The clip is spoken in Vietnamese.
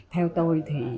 theo tôi thì